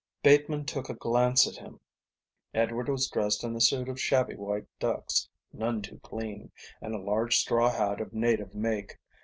Bateman took a glance at him. Edward was dressed in a suit of shabby white ducks, none too clean, and a large straw hat of native make.